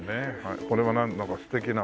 これはなんだか素敵な。